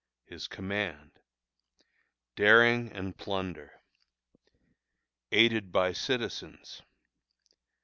His Command. Daring and Plunder. Aided by Citizens.